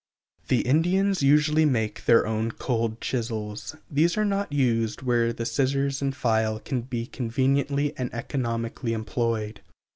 The Indians usually make their own cold chisels. These are not used where the scissors and file can be conveniently and economically employed.